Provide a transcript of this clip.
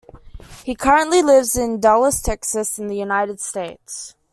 He currently lives in Dallas, Texas, in the United States.